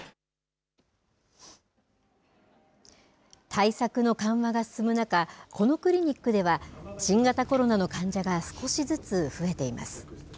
対策の緩和が進む中このクリニックでは新型コロナの患者が少しずつ増えています。